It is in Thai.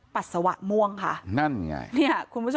ปัตสวะม่วงค่ะ